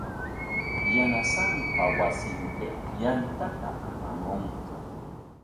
Yanasanpa wasinpik yantata apamunqa.